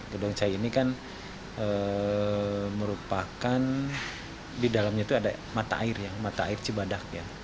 gedong cai ini kan merupakan di dalamnya itu ada mata air cibadak